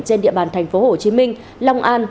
trên địa bàn tp hcm long an